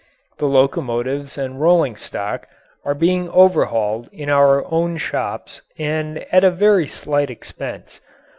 The locomotives and rolling stock are being overhauled in our own shops and at a very slight expense.